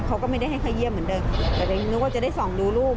เขาก็ไม่ได้ให้เขาเยี่ยมเหมือนเดิมแต่นึกว่าจะได้ส่องดูรูป